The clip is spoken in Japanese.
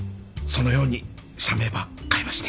そのように社名ば変えまして。